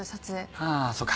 ああそうか。